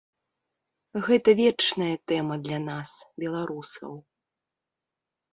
Гэта вечная тэма для нас, беларусаў.